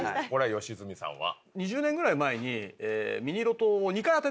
良純さんは？えっ！